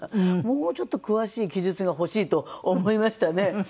もうちょっと詳しい記述が欲しいと思いましたね。